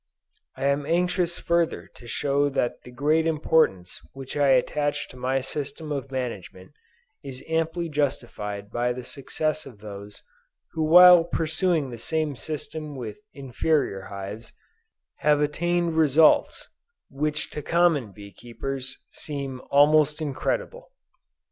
I am anxious further to show that the great importance which I attach to my system of management, is amply justified by the success of those who while pursuing the same system with inferior hives, have attained results, which to common bee keepers, seem almost incredible.